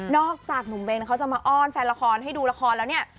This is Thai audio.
จากหนุ่มเวงเขาจะมาอ้อนแฟนละครให้ดูละครแล้วเนี่ย